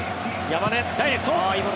山根、ダイレクト。